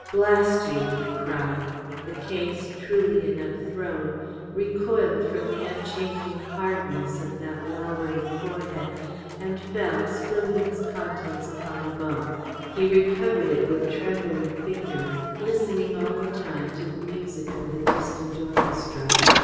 "Blast you!" he cried. The case, truly enough thrown, recoiled from the unchanging hardness of that lowering forehead, and fell, spilling its contents upon the bunk. He recovered it with trembling fingers, listening all the time to the music of the distant orchestra.